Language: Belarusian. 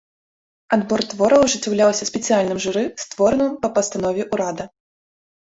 Адбор твораў ажыццяўляўся спецыяльным журы, створаным па пастанове ўрада.